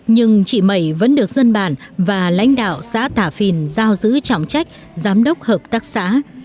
nhưng chị mẩy vẫn được dân bản và lãnh đạo xã tả phìn giao giữ trọng trách giám đốc hợp tác xã